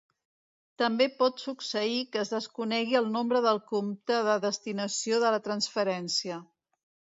També pot succeir que es desconegui el nombre del compte de destinació de la transferència.